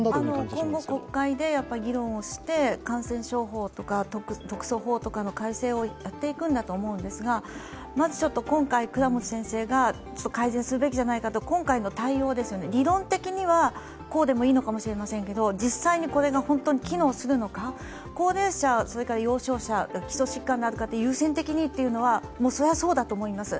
今後国会で議論をして、感染症法とか、特措法とかの体制をやっていくんだと思いますがまず今回、倉持先生が改善するべきじゃないかと、今回の対応、理論的にはこうでもいいのかもしれませんけれども、実際にこれが本当に機能するのか高齢者幼少者、基礎疾患の方を優先的にというのはそれはそうだと思います。